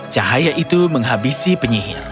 cahaya itu menghabisi penyihir